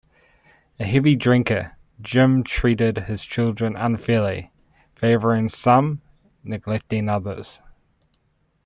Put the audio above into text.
A heavy drinker, Jim treated his children unfairly, favouring some, neglecting others.